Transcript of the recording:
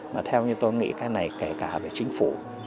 mà theo như tôi nghĩ cái này kể cả về chính phủ